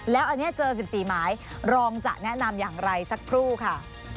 แล้วอันนี้เจอ๑๔หมายรองจะแนะนำอย่างไรสักครู่ค่ะ